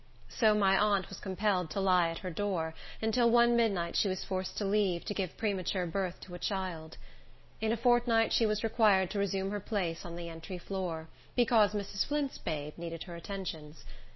So my aunt was compelled to lie at her door, until one midnight she was forced to leave, to give premature birth to a child. In a fortnight she was required to resume her place on the entry floor, because Mrs. Flint's babe needed her attentions.